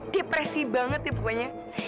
depresi banget ya pokoknya